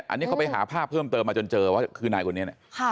อันนี้เขาไปหาภาพเพิ่มเติมมาจนเจอว่าคือนายคนนี้เนี่ย